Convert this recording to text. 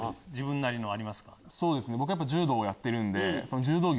僕柔道をやってるんで。